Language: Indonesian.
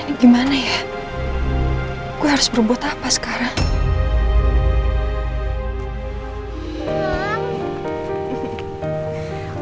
aduh ini gimana ya gw harus berbuat apa sekarang